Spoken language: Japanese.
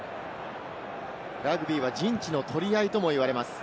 ラグビーは陣地の取り合いともいわれます。